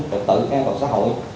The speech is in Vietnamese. và tự an vào xã hội